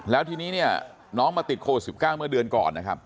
แล้วทีนี้เนี่ยน้องมาติดโควิด๑๙เมื่อเดือนก่อนนะครับ